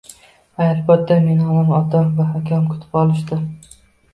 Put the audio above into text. Aeroportda meni onam otam va akam kutib olishdi.